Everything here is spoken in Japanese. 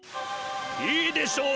いいでしょう。